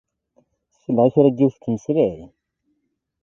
Selleɣ i kra n yiwet tettmeslay.